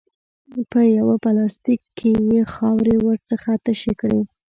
په یوه پلاستیک کې یې خاورې ورڅخه تشې کړې.